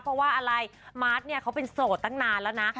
เพราะว่าอะไรมาร์ทเนี่ยเขาเป็นโสดตั้งนานแล้วนะ